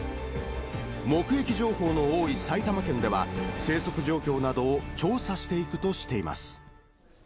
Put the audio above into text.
目撃情報の多い埼玉県では、生息状況などを調査していくとしています。